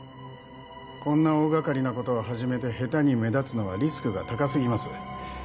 こんな大がかりなことを始めてヘタに目立つのはリスクが高すぎます